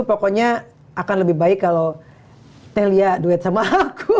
pokoknya akan lebih baik kalau telia duet sama aku